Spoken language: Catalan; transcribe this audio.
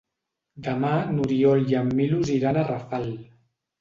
Demà n'Oriol i en Milos iran a Rafal.